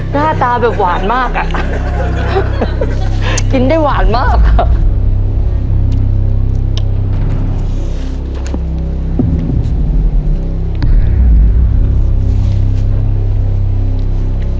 หน้าตาแบบหวานมากอ่ะกินได้หวานมากอ่ะ